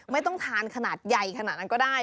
ไม่ต้องทานขนาดใหญ่ขนาดนั้นก็ได้